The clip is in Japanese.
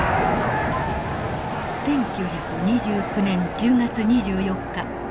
１９２９年１０月２４日。